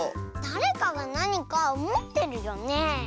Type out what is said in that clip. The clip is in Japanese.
だれかがなにかもってるよね。